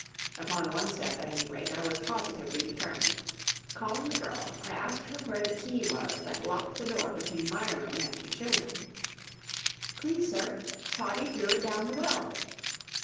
Upon one step, at any rate, I was positively determined. Calling the girl, I asked her where the key was that locked the door between my room and the children. "Please, sir, Toddie threw it down the well."